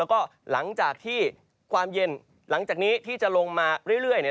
แล้วก็หลังจากที่ความเย็นหลังจากนี้ที่จะลงมาเรื่อย